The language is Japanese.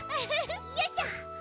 よいしょ。